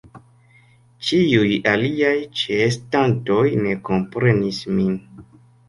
Ĉiuj aliaj ĉeestantoj ne komprenis min.